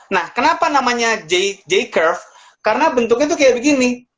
nah kenapa namanya j curve karena bentuknya itu kayak begini